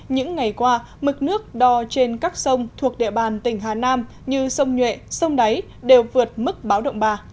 những ngày qua mực nước đo trên các sông thuộc địa bàn tỉnh hà nam như sông nhuệ sông đáy đều vượt mức báo động ba